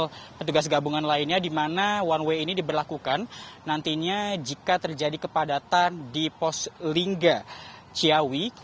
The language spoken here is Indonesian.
untuk petugas gabungan lainnya di mana one way ini diberlakukan nantinya jika terjadi kepadatan di pos lingga ciawi